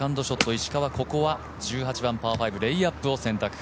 石川はここは１８番パー５、レイアップを選択。